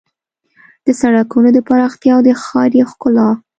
د سړکونو د پراختیا او د ښاري ښکلا